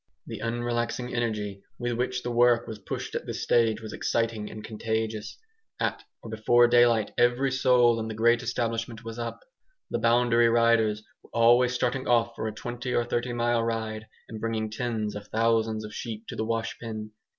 The unrelaxing energy with which the work was pushed at this stage was exciting and contagious; at or before daylight every soul in the great establishment was up. The boundary riders were always starting off for a twenty or thirty mile ride, and bringing tens of thousands of sheep to the wash pen.